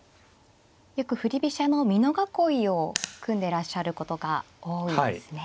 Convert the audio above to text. よく振り飛車の美濃囲いを組んでらっしゃることが多いですね。